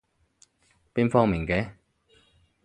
邊方面嘅？